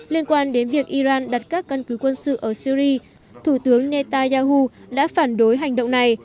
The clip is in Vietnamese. liên quan đến việc iran đặt các căn cứ quân sự ở syri thủ tướng netanyahu đã phản đối hành động này